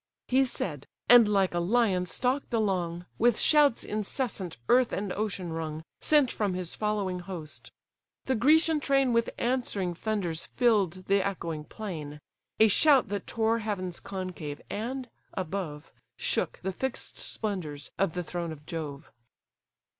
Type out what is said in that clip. He said; and like a lion stalk'd along: With shouts incessant earth and ocean rung, Sent from his following host: the Grecian train With answering thunders fill'd the echoing plain; A shout that tore heaven's concave, and, above, Shook the fix'd splendours of the throne of Jove.